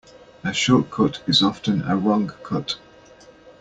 A short cut is often a wrong cut.